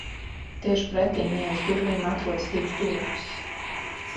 Tieši pretim ieejas durvīm atrodas divas durvis.